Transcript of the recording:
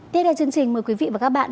tiếp theo chương trình mời quý vị và các bạn